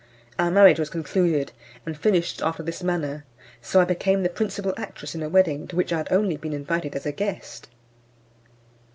Our marriage was concluded and finished after this manner; so I became the principal actress in a wedding to which I had only been invited as a guest.